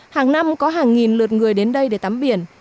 hàng năm có hàng nghìn lượt người đến đây để tắm biển